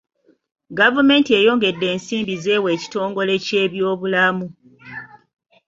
Gavumenti eyongedde ensimbi z'ewa ekitongole ky'ebyobulamu.